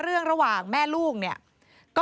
เผื่อเขายังไม่ได้งาน